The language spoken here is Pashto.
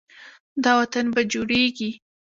دا وطن به جوړیږي.